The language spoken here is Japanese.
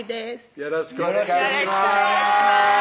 よろしくお願いします